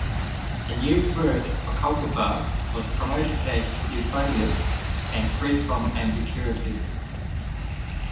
The new word "cultivar" was promoted as "euphonious" and "free from ambiguity".